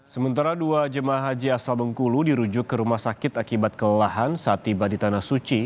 sementara dua jemaah haji asal bengkulu dirujuk ke rumah sakit akibat kelelahan saat tiba di tanah suci